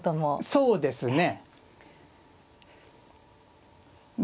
そうですね。